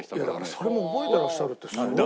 それも覚えてらっしゃるってすごい。